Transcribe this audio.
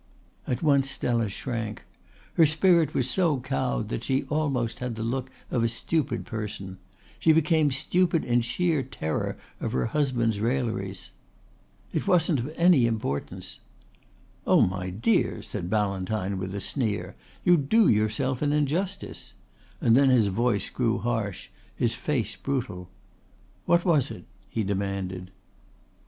At once Stella shrank. Her spirit was so cowed that she almost had the look of a stupid person; she became stupid in sheer terror of her husband's railleries. "It wasn't of any importance." "Oh, my dear," said Ballantyne with a sneer, "you do yourself an injustice," and then his voice grew harsh, his face brutal. "What was it?" he demanded.